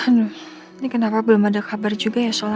aduh ini kenapa belum ada kabar juga ya soal rena